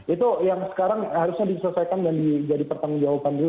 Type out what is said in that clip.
itu yang sekarang harusnya diselesaikan dan jadi pertanggung jawaban dulu